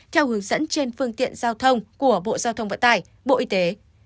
theo hướng dẫn trên phương tiện giao thông của bộ giao thông vận tải bộ y tế